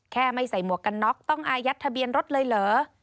ไม่ใส่หมวกกันน็อกต้องอายัดทะเบียนรถเลยเหรอ